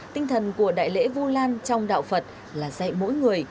tinh thần của đại lễ vu lan trong đạo phật là dạy mỗi người